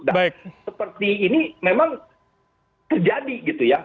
dan seperti ini memang terjadi gitu ya